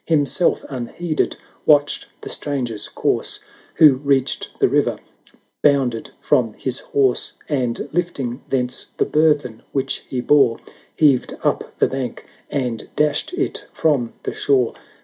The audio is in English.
Himself unheeded watched the stranger's course, Who reached the river, bounded from his horse, 12 10 And lifting thence the burthen which he bore Heaved up the bank, and dashed it from the shore.